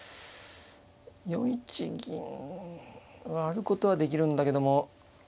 ４一銀はあることはできるんだけども。